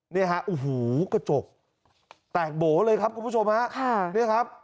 เนี่ยฮะโอ้โหกระจกแตกโบ๋เลยครับคุณผู้ชมฮะค่ะเนี่ยครับ